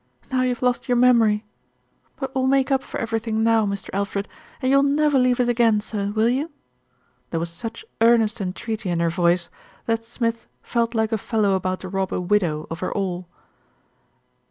Now you've lost your memory; but we'll make up for everything now, Mr. Alfred, and you'll never leave us again, sir, will you?" There was such earnest entreaty in her voice, that Smith felt like a fellow about to rob a widow of her all.